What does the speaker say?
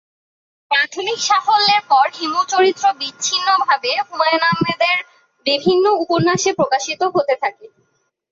প্রাথমিক সাফল্যের পর "হিমু" চরিত্র বিচ্ছিন্নভাবে হুমায়ুন আহমেদের বিভিন্ন উপন্যাসে প্রকাশিত হতে থাকে।